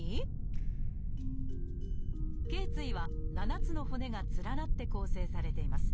頚椎は７つの骨が連なって構成されています。